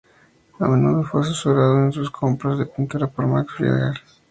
A menudo fue asesorado en sus compras de pintura por Max Friedlander.